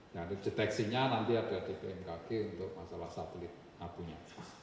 nah deteksinya nanti ada di bmkg untuk masalah satelit abunya